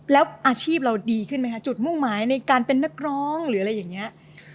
แล้วอาชีพเราดีขึ้นไหมคะจุดมุ่งหมายในการเป็นนักร้องหรืออะไรอย่างนี้